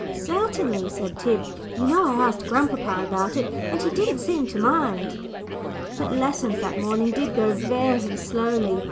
"Certainly," said Tib. "You know I asked grandpapa about it, and he didn't seem to mind." But lessons that morning did go very slowly.